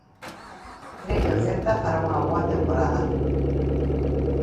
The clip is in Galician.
Cre que o Celta fará unha boa temporada.